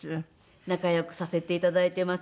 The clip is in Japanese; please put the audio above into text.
仲良くさせていただいてます。